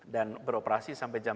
dan beroperasi sampai jam sepuluh